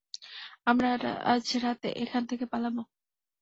আমরা আজ রাতে এখান থেকে পালাবো।